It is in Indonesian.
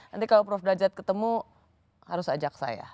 nanti kalau prof dajat ketemu harus ajak saya